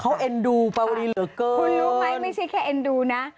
เขาแอนดูปาหวลีเหรอกันคุณรู้ไหมไม่ใช่แค่แอนดูนะ